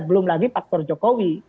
belum lagi faktor jokowi